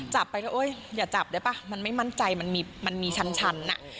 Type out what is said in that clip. จับไปก็อย่าจับได้ป่ะมันไม่มั่นใจมันมีชั้น